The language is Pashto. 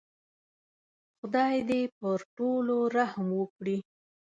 خدای دې پر ټولو رحم وکړي.